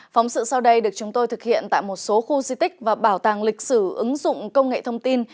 phóng sự sau đây được chúng tôi thực hiện tại một số khu di tích và bảo tàng lịch sử ứng dụng công nghệ thông tin